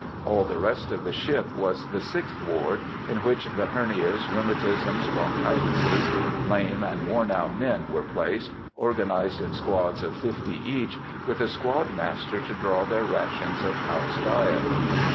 All the rest of the ship was the sixth ward, in which the hernias, rheumatisms, bronchitises, lame and worn out men were placed, organized in squads of fifty each, with a squad master to draw their rations of house diet.